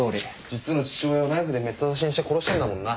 実の父親をナイフでめった刺しにして殺したんだもんな。